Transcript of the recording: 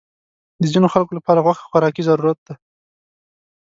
د ځینو خلکو لپاره غوښه خوراکي ضرورت دی.